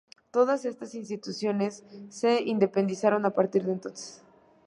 Todas estas instituciones se independizaron a partir de entonces.